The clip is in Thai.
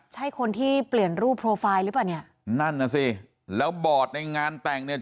ใช่คนที่เปลี่ยนรูปโปรไฟล์หรือนั่นนะสิแล้วบอกในงานแต่งเนี่ย